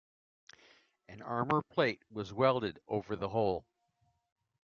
An armour plate was welded over the hole.